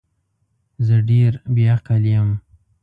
زه ډیر بی عقل یم